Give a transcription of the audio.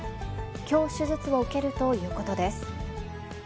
きょう、手術を受けるということです。